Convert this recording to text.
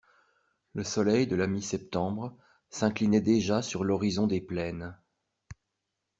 Le soleil de la mi-septembre s'inclinait déjà sur l'horizon des plaines.